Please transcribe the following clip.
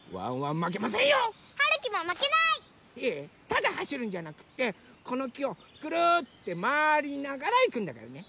ただはしるんじゃなくってこのきをくるってまわりながらいくんだからね。